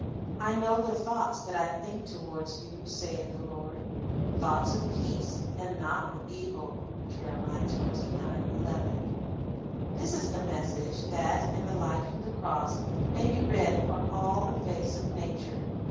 "I know the thoughts that I think toward you, saith the Lord, thoughts of peace, and not of evil."* This is the message that, in the light from the cross, may be read upon all the face of nature.